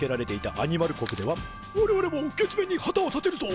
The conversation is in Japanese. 「我々も月面に旗を立てるぞ。